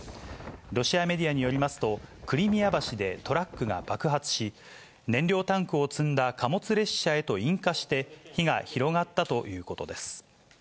ロシアメディアによりますと、クリミア橋でトラックが爆発し、燃料タンクを積んだ貨物列車へと引火して、火が広がったということです。